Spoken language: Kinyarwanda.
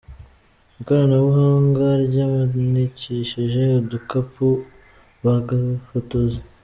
Ikoranabuhanga ryamanikishije udukapu ba Gafotozi